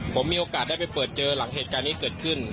ผมมีโอกาสได้ไปเปิดเจอหลังเหตุการณ์นี้เกิดขึ้น